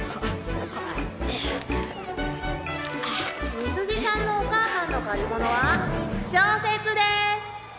「見須子さんのお母さんの借り物は小説です！」。